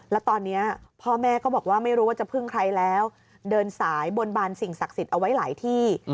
แล้วตอนนี้พ่อแม่ก็บอกว่าไม่รู้ว่าจะพึ่งใครแล้วเดินสายบนบานสิ่งศักดิ์สิทธิ์เอาไว้หลายที่